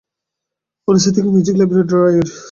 অন্য সেট থাকে মিউজিক লাইব্রেরির ড্রইয়ারে।